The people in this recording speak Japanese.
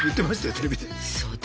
テレビで。